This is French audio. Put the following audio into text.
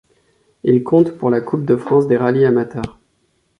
Il compte pour la coupe de France des rallyes amateur.